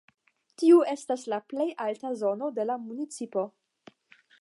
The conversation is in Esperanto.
Tiu estas la plej alta zono de la municipo.